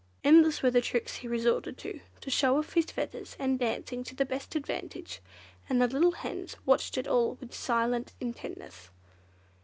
Endless were the tricks he resorted to, to show off his feathers and dancing to the best advantage; and the little hens watched it all with silent intentness.